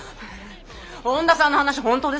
本田さんの話本当ですか？